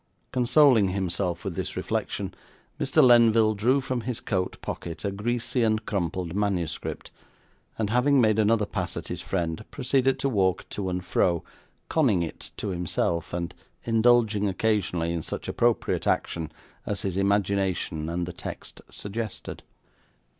Consoling himself with this reflection, Mr. Lenville drew from his coat pocket a greasy and crumpled manuscript, and, having made another pass at his friend, proceeded to walk to and fro, conning it to himself and indulging occasionally in such appropriate action as his imagination and the text suggested.